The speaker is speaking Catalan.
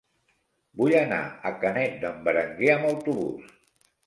Vull anar a Canet d'en Berenguer amb autobús.